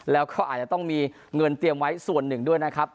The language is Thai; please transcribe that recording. แล้วก็อาจจะต้องมีเงินเตรียมไว้ส่วนหนึ่งด้วยนะครับ